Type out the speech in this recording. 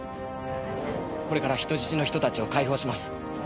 これから人質の人たちを解放します。